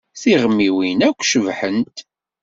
Tiɣmiwin akk cebḥent.